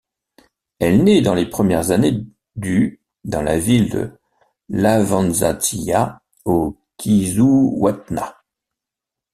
Elle naît dans les premières années du dans la ville de Lawazantiya au Kizzuwatna.